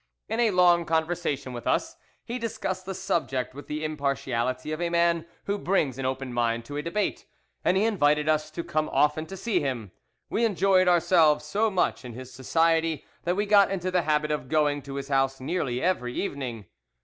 In a long conversation with us, he discussed the subject with the impartiality of a man who brings an open mind to a debate, and he invited us to come often to see him. We enjoyed ourselves so much in his society that we got into the habit of going to his house nearly every evening.